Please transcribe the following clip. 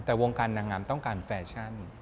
แต่วงการนางงามต้องการแฟชั่น